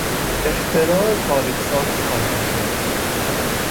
اختراع تاریخ ساز کامپیوتر